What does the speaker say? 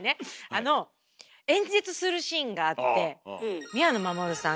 あの演説するシーンがあって宮野真守さん。